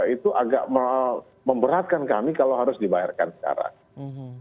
itu agak memberatkan kami kalau harus dibayarkan sekarang